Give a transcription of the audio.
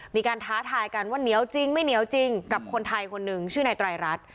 ท้าทายกันว่าเหนียวจริงไม่เหนียวจริงกับคนไทยคนหนึ่งชื่อนายไตรรัฐ